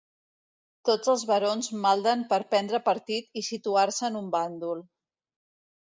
Tots els barons malden per prendre partit i situar-se en un bàndol.